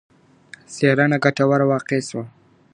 څېړنه ګټوره واقع سوه.